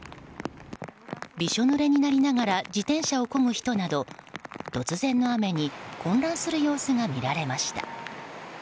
びしょぬれになりながら自転車をこぐ人など突然の雨に混乱する様子が見られました。